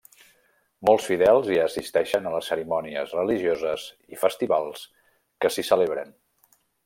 Molts fidels hi assisteixen a les cerimònies religioses i festivals que s'hi celebren.